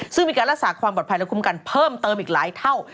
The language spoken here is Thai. ซึ่งมีการรักษาความปลอดภัยและคุ้มกันเพิ่มเติมอีกหลายเท่า